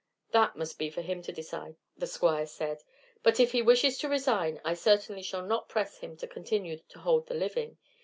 "That must be for him to decide," the Squire said; "but if he wishes to resign I certainly shall not press him to continue to hold the living.